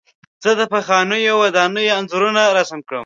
زه د پخوانیو ودانیو انځورونه رسم کوم.